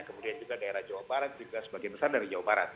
kemudian juga daerah jawa barat juga sebagian besar dari jawa barat